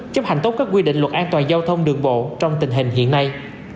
chấp hành tốt các quy định luật an toàn giao thông đường bộ trong tình hình hiện nay